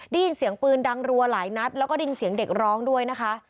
ได้ยินเสียงปืนดังรัวหลายนัดแล้วก็ได้ยินเสียงเด็กร้องด้วยนะคะ